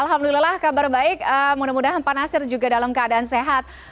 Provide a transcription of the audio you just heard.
alhamdulillah kabar baik mudah mudahan pak nasir juga dalam keadaan sehat